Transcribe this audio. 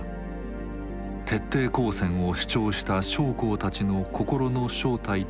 徹底抗戦を主張した将校たちの心の正体とは何だったのか。